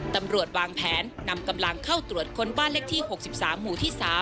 ตำรวจวางแผนนำกำลังเข้าตรวจค้นบ้านเลขที่๖๓หมู่ที่๓